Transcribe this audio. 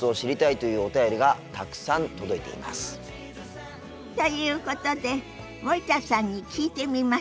ということで森田さんに聞いてみましょ。